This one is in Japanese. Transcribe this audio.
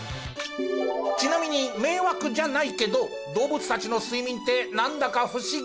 ちなみに迷惑じゃないけど動物たちの睡眠ってなんだか不思議。